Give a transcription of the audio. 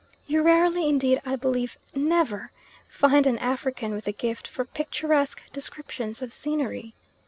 You rarely, indeed I believe never, find an African with a gift for picturesque descriptions of scenery.